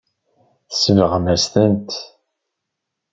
Tsebɣem-as-tent.